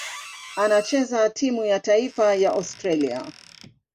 Anachezea timu ya taifa ya Australia.